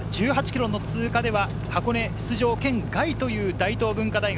１８ｋｍの通過では箱根出場圏外という大東文化大学。